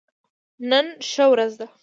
نن ښه ورځ ده